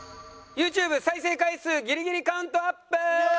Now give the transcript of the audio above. ＹｏｕＴｕｂｅ再生回数ギリギリカウントＵＰ！